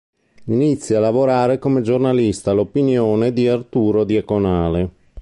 Inizia a lavorare come giornalista all"'Opinione" di Arturo Diaconale.